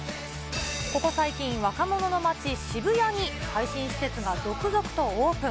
ここ最近、若者の街、渋谷に最新施設が続々とオープン。